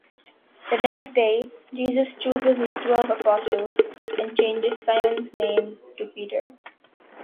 The next day, Jesus chooses his twelve apostles and changes Simon's name to Peter.